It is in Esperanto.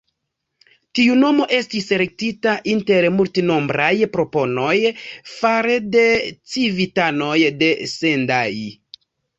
Tiu nomo estis elektita inter multenombraj proponoj far'de civitanoj de Sendai.